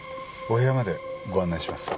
お部屋までご案内します。